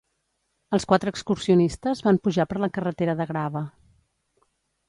Els quatre excursionistes van pujar per la carretera de grava.